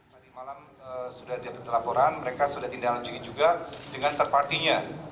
tadi malam sudah terdapat laporan mereka sudah tindak lanjut juga dengan terpartinya